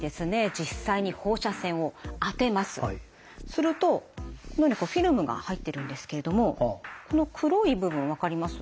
するとこのようにフィルムが入ってるんですけれどもこの黒い部分分かります？